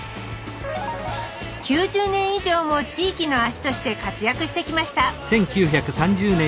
９０年以上も地域の足として活躍してきました。